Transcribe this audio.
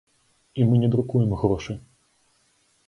І мы не друкуем грошы.